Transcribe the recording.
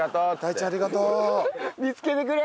見つけてくれ！